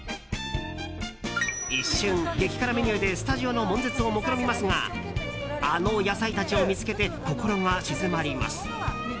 一瞬、激辛メニューでスタジオの悶絶をもくろみますがあの野菜たちを見つけて心が静まります。